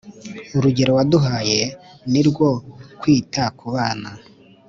Urugero waduhaye ni rwo kwita kubana